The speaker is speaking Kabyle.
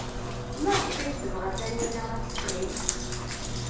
Maɣef ay tebɣa Taninna ad teqqim?